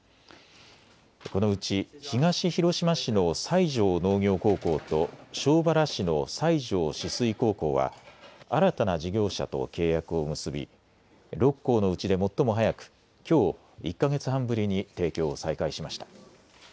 このうち東広島市の西条農業高校と庄原市の西城紫水高校は新たな事業者と契約を結び６校のうちで最も早くきょう１か月半ぶりに提供を再開しました。